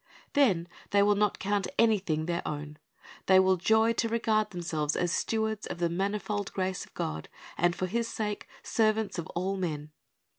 "^ Then they will not count anything their own. They will joy to regard themselves as stewards of the manifold grace of God, and for His sake servants of all men.